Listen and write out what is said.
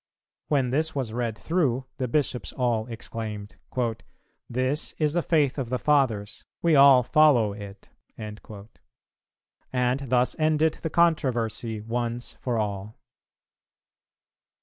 When this was read through, the Bishops all exclaimed, "This is the faith of the Fathers; we all follow it." And thus ended the controversy once for all.